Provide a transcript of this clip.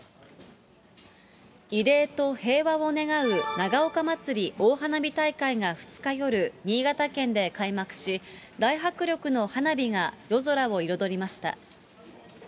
慰霊と平和を願う長岡まつり大花火大会が２日夜、新潟県で開幕し、大迫力の花火が夜空を彩りました。